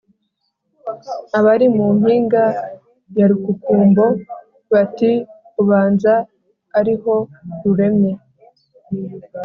Abari mu mpinga ya Rukukumbo bati: Ubanza ariho ruremye,